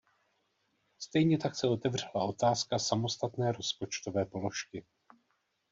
Stejně tak se otevřela otázka samostatné rozpočtové položky.